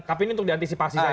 tapi ini untuk diantisipasi saja